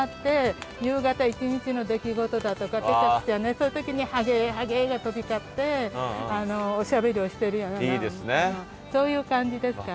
そういう時にハゲーハゲーが飛び交っておしゃべりをしているようなそういう感じですから。